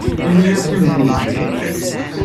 Ini-as i Mhenni.